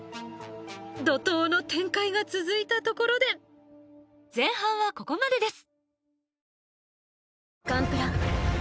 怒涛の展開が続いたところで前半はここまでです